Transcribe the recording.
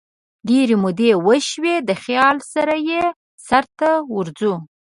ډیري مودې وشوي دخیال سره یې سرته ورځو